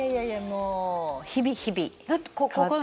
もう日々日々変わって。